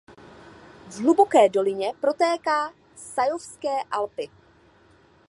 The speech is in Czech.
V hluboké dolině protéká Savojské Alpy.